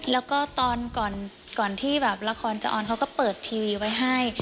แล้วก็ตอนก่อนที่แบบละครจะออนเขาก็เปิดทีวีไว้ให้